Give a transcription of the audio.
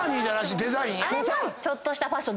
あれもちょっとしたファッション。